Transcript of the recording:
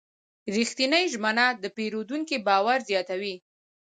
رښتینې ژمنه د پیرودونکي باور زیاتوي.